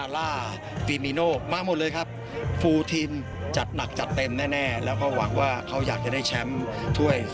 และก็หวังว่าเขาอยากจะได้แชมป์ถ้วย